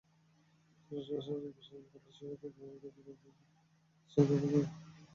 সিলেটের কলেজছাত্রী খাদিজা বেগমকে হত্যাচেষ্টার মামলায় বদরুল আলমের বিরুদ্ধে অভিযোগ গঠন করেছেন আদালত।